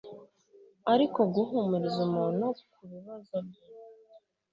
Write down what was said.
Ariko guhumuriza umuntu kubibazo bye